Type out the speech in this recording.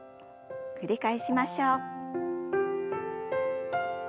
繰り返しましょう。